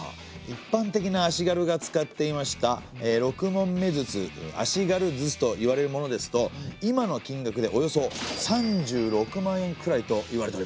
いっぱんてきな足軽が使っていました六匁筒足軽筒といわれるものですと今の金額でおよそ３６万円くらいといわれております。